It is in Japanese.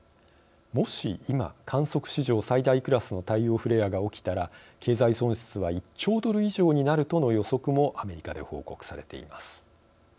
もし今観測史上最大クラスの太陽フレアが起きたら経済損失は１兆ドル以上になるとの予測もアメリカで報告されています。